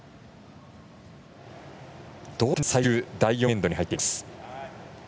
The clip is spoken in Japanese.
同点で最終第４エンドに入っています。